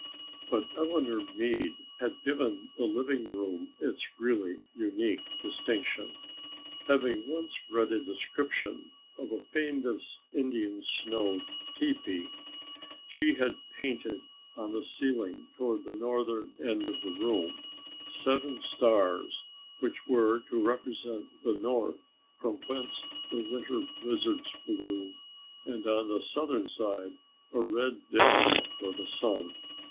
But Eleanor Meade had given the living room its really unique distinction. Having once read a description of a famous Indian snow tepi, she had painted on the ceiling toward the northern end of the room seven stars which were to represent the north from whence the winter blizzards blew and on the southern side a red disc for the sun.